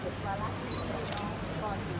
มีการเป็นวิวกอกของของคน